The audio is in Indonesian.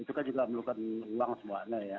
itu kan juga memerlukan uang semuanya ya